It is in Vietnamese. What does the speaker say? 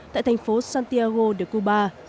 tại thành phố santiago de cuba